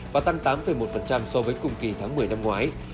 và tăng tám một so với cùng kỳ tháng một mươi năm ngoái